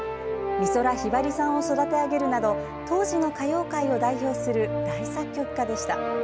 美空ひばりさんを育て上げるなど当時の歌謡界を代表する大作曲家でした。